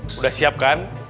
sudah siap kan